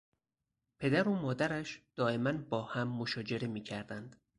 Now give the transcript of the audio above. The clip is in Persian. پدر و مادرش دایما با هم مشاجره می کردند.